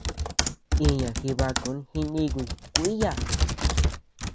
Iña jibaku jinikuy kuíyaa.